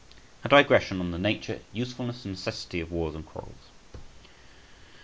A DIGRESSION ON THE NATURE, USEFULNESS, AND NECESSITY OF WARS AND QUARRELS.